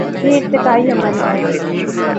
یہ ارتقائی عمل ہے۔